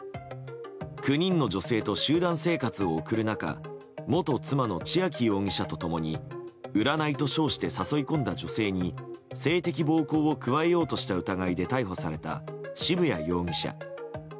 ９人の女性と集団生活を送る中元妻の千秋容疑者と共に占いと称して誘い込んだ女性に性的暴行を加えようとした疑いで逮捕された渋谷容疑者。